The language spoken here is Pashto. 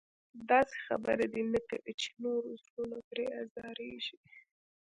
داسې خبره دې نه کوي چې نورو زړونه پرې ازارېږي.